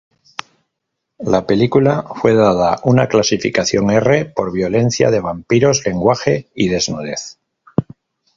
La película fue dada una clasificación R por violencia de vampiros, lenguaje y desnudez.